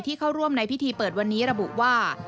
เข้าร่วมในพิธีเปิดวันนี้ระบุว่า